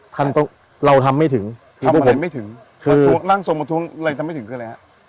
ท่านต้องเราทำไม่ถึงทำไม่ถึงคือร่างทรงมาท้วงเลยทำไม่ถึงคืออะไรฮะ